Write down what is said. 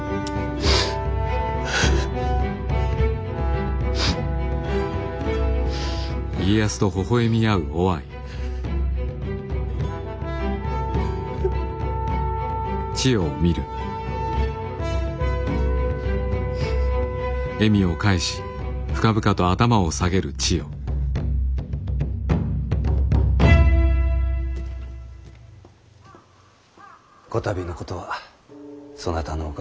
こたびのことはそなたのおかげじゃ。